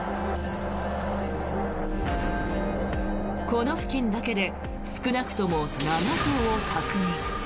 この付近だけで少なくとも７頭を確認。